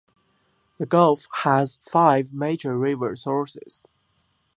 The gulf has five major river sources.